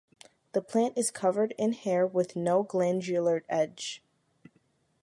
The plant is covered in hair with no glandular edge.